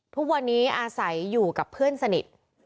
ทุกวันนี้อาศัยอยู่กับเพื่อนสนิท